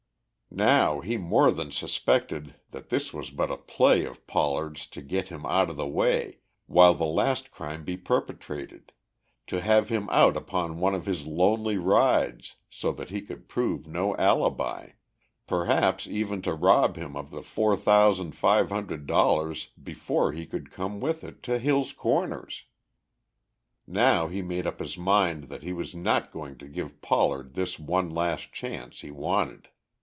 Now he more than suspected that this was but a play of Pollard's to get him out of the way while the last crime be perpetrated, to have him out upon one of his lonely rides so that he could prove no alibi, perhaps even to rob him of the four thousand five hundred dollars before he could come with it to Hill's Corners. Now he made up his mind that he was not going to give Pollard this one last chance he wanted.